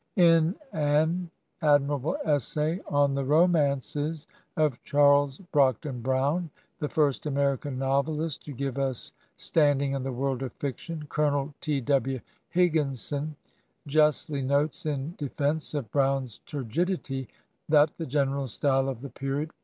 In an admirable essay on the romances 109 Digitized by VjOOQIC HEROINES OF FICTION of Charles Brockden Brown, the j&rst American novelist to give us standing in the world of fiction. Colonel T. W. Higginson justly notes in defence»of Brown's turgidity that " the general style of the period